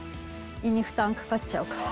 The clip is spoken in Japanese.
胃に負担かかっちゃうから。